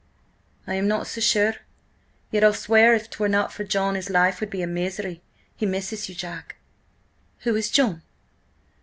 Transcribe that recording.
"I am not so sure. Yet I'll swear if 'twere not for John his life would be a misery. He misses you, Jack." "Who is John?"